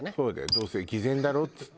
「どうせ偽善だろ？」っつって。